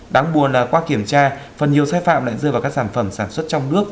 đáng buồn là qua kiểm tra phần nhiều sai phạm lại rơi vào các sản phẩm sản xuất trong nước